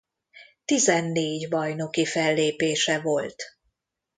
Tizennégy bajnoki fellépése volt.